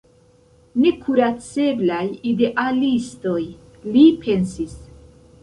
Nekuraceblaj idealistoj, li pensis.